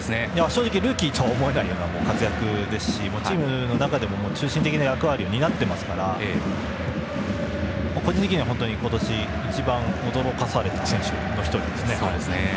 正直ルーキーとは思えない活躍ですし、チームの中でも中心的な役割を担っていますから個人的には本当に今年一番驚かされた選手の１人ですね。